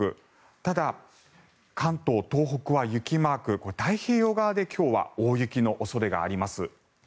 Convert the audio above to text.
ただ関東、東北は雪マーク太平洋側で今日は大雪の恐れがあります。